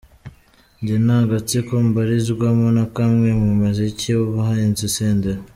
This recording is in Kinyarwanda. Njye nta gatsiko mbarizwamo na kamwe mu muziki!”,umuhanzi Senderi.